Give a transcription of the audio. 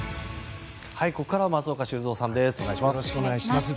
ここからは松岡修造さんですお願いします。